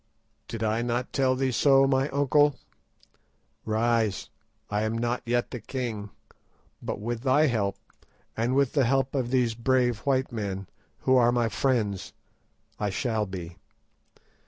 "Did I not tell thee so, my uncle? Rise; I am not yet the king, but with thy help, and with the help of these brave white men, who are my friends, I shall be.